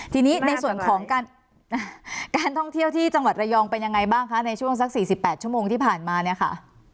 ทีนี้ในส่วนของการท่องเที่ยวที่จังหวัดระยองเป็นยังไงบ้างคะในช่วงสัก๔๘ชั่วโมงที่ผ่านมาเนี่ยค่ะ